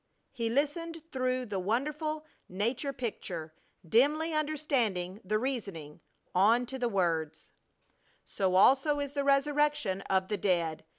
He listened through the wonderful nature picture, dimly understanding the reasoning; on to the words: "So also is the resurrection of the dead.